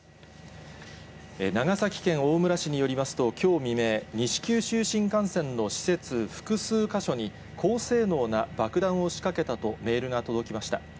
長崎県大村市によりますと、きょう未明、西九州新幹線の施設、複数か所に、高性能な爆弾を仕掛けたとメールが届きました。